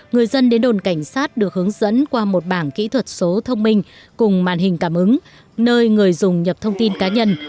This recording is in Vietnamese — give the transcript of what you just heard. người dân đến đồn cảnh sát được hướng dẫn qua một bảng kỹ thuật số thông minh cùng màn hình cảm ứng nơi người dùng nhập thông tin cá nhân